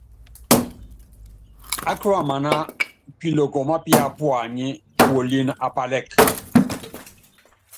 Á buiamaná, Piloko mápiá puanyɛ́ kuólín á pálɛ́k.